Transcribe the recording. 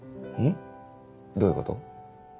どういうこと？